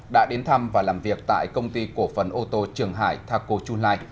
đã đến thăm và làm việc tại công ty cổ phần ô tô trường hải thaco chunlai